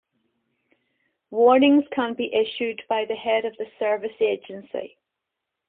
Warnings can be issued by the head of the service agency.